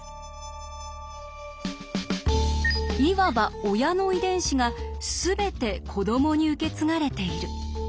いわば親の遺伝子が全て子どもに受け継がれている。